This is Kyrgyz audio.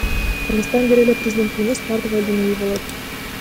Кыргызстан бир эле президенттин эмес, бардык элдин үйү болот.